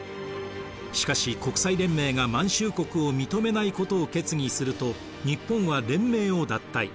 しかし国際連盟が満州国を認めないことを決議すると日本は連盟を脱退。